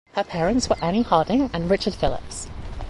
Her parents were Annie Harding and Richard Phillips.